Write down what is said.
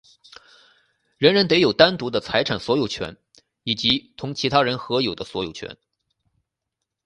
人人得有单独的财产所有权以及同他人合有的所有权。